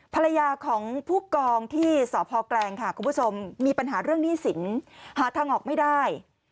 ภรรยาของผู้กองที่สพแกลงค่ะคุณผู้ชมมีปัญหาเรื่องหนี้สินหาทางออกไม่ได้